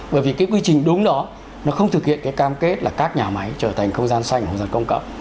bởi vì cái quy trình đúng đó nó không thực hiện cái cam kết là các nhà máy trở thành không gian xanh không gian công cộng